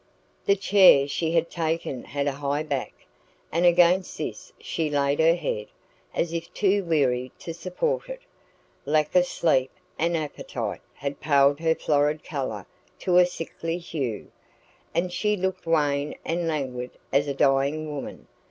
The chair she had taken had a high back, and against this she laid her head, as if too weary to support it. Lack of sleep and appetite had paled her florid colour to a sickly hue, and she looked wan and languid as a dying woman.